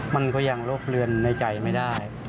มันก็ยังโรคเลือนในใจไม่ได้